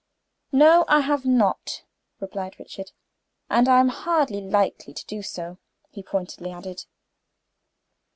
"No, I have not," replied Richard. "And I am not likely to do so," he pointedly added.